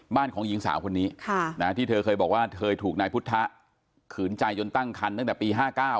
ของหญิงสาวคนนี้ที่เธอเคยบอกว่าเธอถูกนายพุทธะขืนใจจนตั้งคันตั้งแต่ปี๕๙